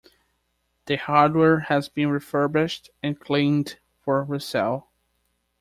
The hardware has been refurbished and cleaned for resale.